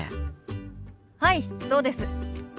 はいそうです。